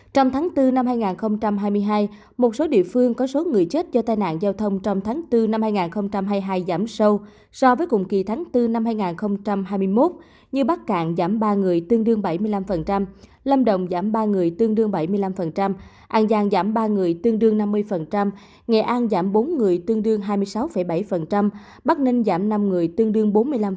trong tháng bốn năm hai nghìn hai mươi hai một số địa phương có số người chết do tai nạn giao thông trong tháng bốn năm hai nghìn hai mươi hai giảm sâu so với cùng kỳ tháng bốn năm hai nghìn hai mươi một như bắc cạn giảm ba người tương đương bảy mươi năm lâm động giảm ba người tương đương bảy mươi năm an giang giảm ba người tương đương năm mươi nghệ an giảm bốn người tương đương hai mươi sáu bảy bắc ninh giảm năm người tương đương bốn mươi năm năm